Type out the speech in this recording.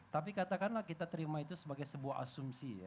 tapi katakanlah kita terima itu sebagai sebuah asumsi ya